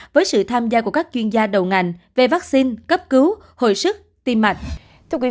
với sự tham gia của các chuyên gia đầu ngành về vaccine cấp cứu hồi sức tim mạch